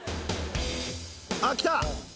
「あっきた！